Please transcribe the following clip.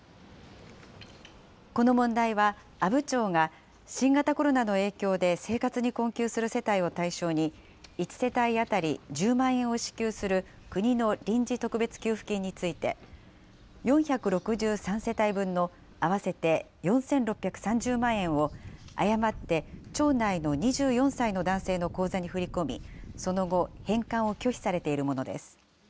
この問題は、阿武町が新型コロナの影響で生活に困窮する世帯を対象に、１世帯当たり１０万円を支給する国の臨時特別給付金について、４６３世帯分の合わせて４６３０万円を、誤って町内の２４歳の男性の口座に振り込み、その後、返還を拒否されているものです。